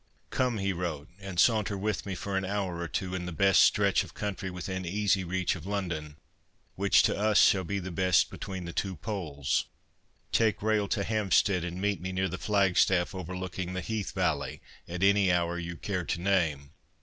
' Come,' he wrote, ' and saunter with me for an hour or two in the best stretch of country within easy reach of London, which, to us, shall be the best between the two Poles. Take rail to Hampstead and meet me near the flagstaff, overlooking the heath valley, at any hour you care to name.